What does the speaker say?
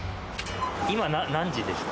今何時ですか？